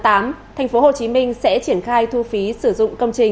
tp hcm sẽ triển khai thu phí sử dụng công trình